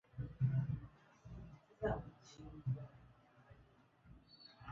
ishirini na Tisa kwanza vita vya kupigania uhuru dhidi ya Ureno